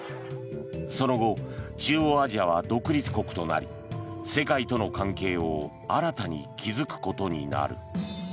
その後、中央アジアは独立国となり世界との関係を新たに築くことになる。